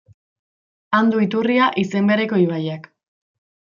Han du iturria izen bereko ibaiak.